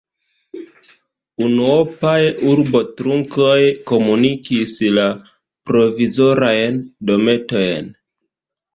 Unuopaj arbotrunkoj komunikis la provizorajn dometojn.